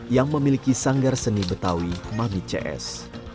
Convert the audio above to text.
yang memiliki sanggar seni betawi mami cs